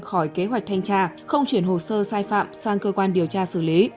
khỏi kế hoạch thanh tra không chuyển hồ sơ sai phạm sang cơ quan điều tra xử lý